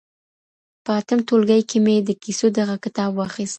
په اتم ټولګي کي مي د کیسو دغه کتاب واخیست.